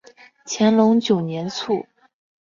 乾隆九年卒。